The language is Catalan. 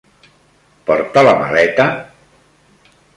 Porta la maleta?